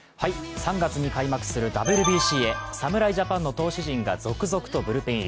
３月に開幕するＷＢＣへ、侍ジャパンの投手陣が続々とブルペン入り。